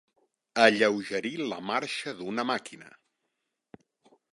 Alleugerir la marxa d'una màquina.